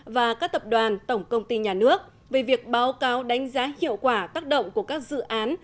và các tập đoàn tổng công ty nhà nước về việc báo cáo đánh giá hiệu quả tác động của các dự án